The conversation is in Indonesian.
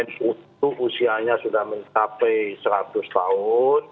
dan itu usianya sudah mencapai seratus tahun